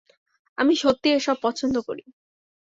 আমি সত্যিই এসব পছন্দ করি।